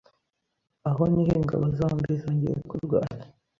Aho niho ingabo zombi zongeye kurwana.